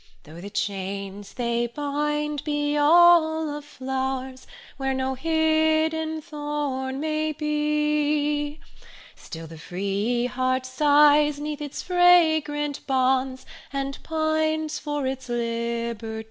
Though the chains they bind be all of flowers, Where no hidden thorn may be, Still the free heart sighs 'neath its fragrant bonds, And pines for its liberty.